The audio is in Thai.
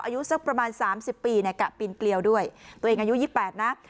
อายุสักประมาณ๓๐ปีกะปินเกลียวด้วยตัวเองอายุ๒๘นะ